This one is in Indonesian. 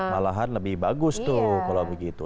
malahan lebih bagus tuh kalau begitu